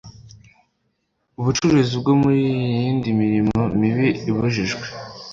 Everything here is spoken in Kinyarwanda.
bucuruzi bwo mu yindi mirimo mibi ibujijwe